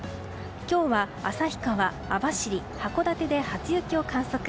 今日は旭川、網走、函館で初雪を観測。